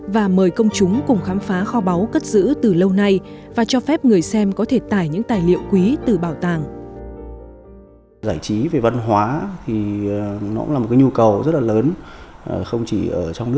và mời công chúng cùng khám phá kho báu cất giữ từ lâu nay và cho phép người xem có thể tải những tài liệu quý từ bảo tàng